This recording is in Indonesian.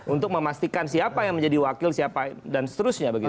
untuk memastikan siapa yang menjadi wakil siapa dan seterusnya begitu